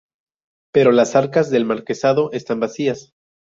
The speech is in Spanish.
Pero las arcas del marquesado estaban vacías.